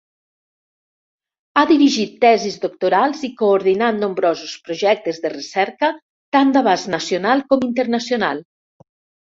Ha dirigit tesis doctorals i coordinat nombrosos projectes de recerca tant d'abast nacional com internacional.